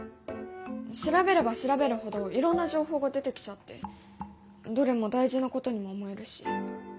調べれば調べるほどいろんな情報が出てきちゃってどれも大事なことにも思えるし。